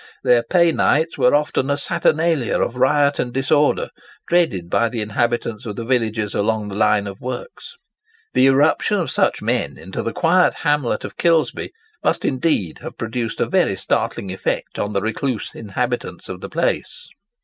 Their pay nights were often a saturnalia of riot and disorder, dreaded by the inhabitants of the villages along the line of works. The irruption of such men into the quiet hamlet of Kilsby must, indeed, have produced a very startling effect on the recluse inhabitants of the place.